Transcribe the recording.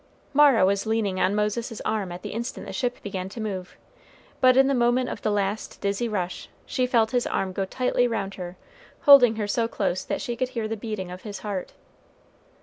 Mara was leaning on Moses's arm at the instant the ship began to move, but in the moment of the last dizzy rush she felt his arm go tightly round her, holding her so close that she could hear the beating of his heart.